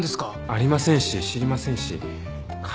ありませんし知りませんし帰りたか。